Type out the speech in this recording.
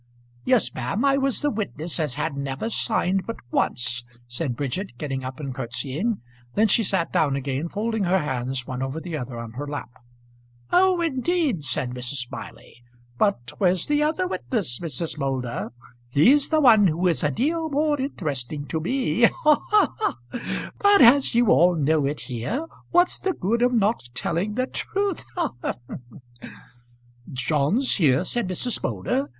"Yes, ma'am. I was the witness as had never signed but once," said Bridget, getting up and curtsying. Then she sat down again, folding her hands one over the other on her lap. "Oh, indeed!" said Mrs. Smiley. "But where's the other witness, Mrs. Moulder? He's the one who is a deal more interesting to me. Ha, ha, ha! But as you all know it here, what's the good of not telling the truth? Ha, ha, ha!" "John's here," said Mrs. Moulder.